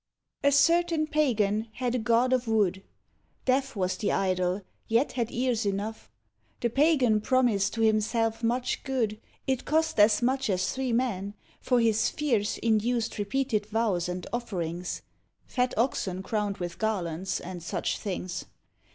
A certain Pagan had a god of wood Deaf was the idol, yet had ears enough; The Pagan promised to himself much good. It cost as much as three men; for his fears Induced repeated vows and offerings; Fat oxen crowned with garlands and such things.